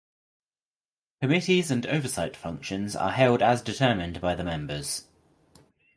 Committees and oversight functions are held as determined by the members.